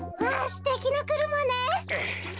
すてきなくるまね。